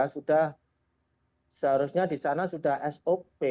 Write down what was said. sudah seharusnya disana sudah sop